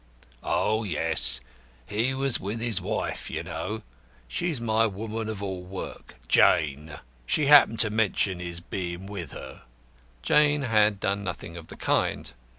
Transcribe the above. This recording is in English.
"Oh, yes. He was with his wife, you know. She's my woman of all work, Jane. She happened to mention his being with her." Jane had done nothing of the kind.